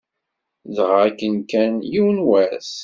Dɣa akken-kan, yiwen n wass.